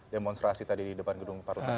demonstrasi tadi di depan gedung paru paru